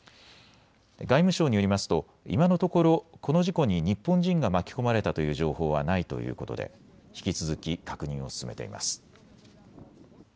外務省によりますと今のところこの事故に日本人が巻き込まれたという情報はないということで引き続き確認を進めています。